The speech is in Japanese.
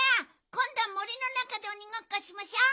こんどは森のなかでおにごっこしましょう！